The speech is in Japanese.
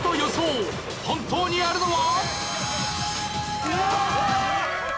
本当にあるのは？